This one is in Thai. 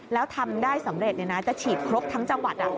แล้วทำได้สำเร็จจะฉีดครบทั้งจังหวัด